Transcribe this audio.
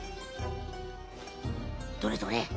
どれどれ。